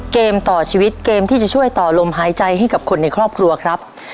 เกมต่อชีวิตเกมที่จะช่วยต่อลมหายใจให้กับคนในครอบครัวครับ